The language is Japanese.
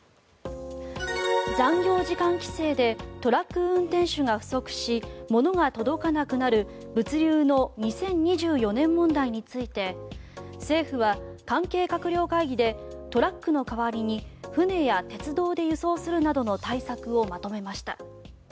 残業時間規制でトラック運転手が不足しものが届かなくなる物流の２０２４年問題について政府は関係閣僚会議でトラックの代わりに船や鉄道で輸送するなどの対策をまとめました。